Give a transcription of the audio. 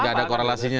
tidak ada korelasinya